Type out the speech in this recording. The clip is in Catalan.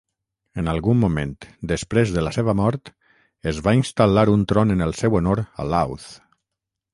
En algun moment, després de la seva mort, es va instal·lar un tron en el seu honor a Louth.